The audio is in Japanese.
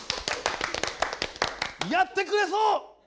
やってくれそう！